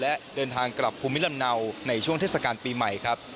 และเดินทางกลับภูมิลำเนาในช่วงเทศกาลปีใหม่ครับ